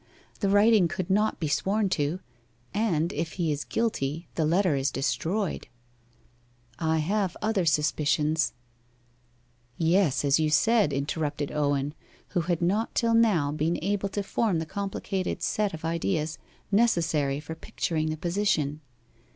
The writing could not be sworn to, and if he is guilty the letter is destroyed.' 'I have other suspicions ' 'Yes as you said' interrupted Owen, who had not till now been able to form the complicated set of ideas necessary for picturing the position.